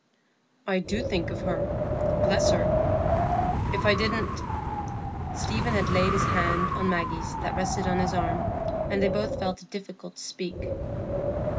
"I do think of her—bless her. If I didn't——" Stephen had laid his hand on Maggie's that rested on his arm, and they both felt it difficult to speak.